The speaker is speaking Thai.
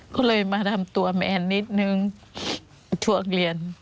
ก็เลยมาทำตัวแมนนิดนึงช่วงเรียน